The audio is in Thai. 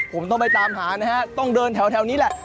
ผมต้องไปตามหานะฮะต้องเดินแถวนี้แหละ